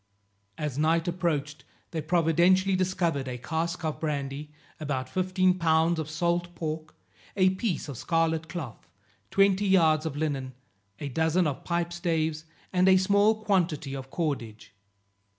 As night approached, they providentially discovered a cask of brandy, about fifteen pounds of salt pork, a piece of scarlet cloth, twenty yards of linen, a dozen of pipe staves, and a small quantity of cordage.